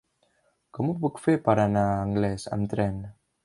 Com ho puc fer per anar a Anglès amb tren?